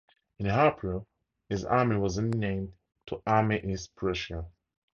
In April, his army was renamed to Army East Prussia.